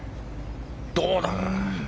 どうだ！